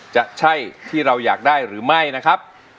จะใช่ที่เราอยากได้หรือไม่นะครับ